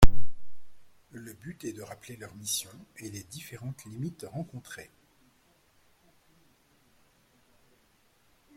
Le but est de rappeler leurs missions et les différentes limites rencontrées